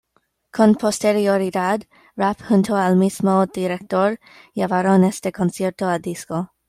Con posterioridad, Rapp junto al mismo director llevaron este concierto al disco.